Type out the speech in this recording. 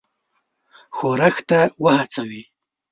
ښورښ ته وهڅوي.